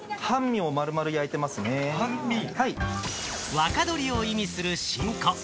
若鶏を意味する新子。